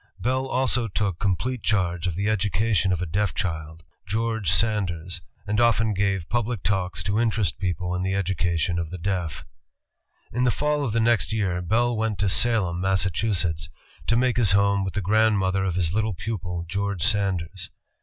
Bell also took complete charge of the education of a deaf child, George Sanders, and often gave public talks to interest people in the education of the deaf. In the fall of the next year, Bell went to Salem, Massa chusetts, to make his home with the grandmother of his little pupil, George Sanders.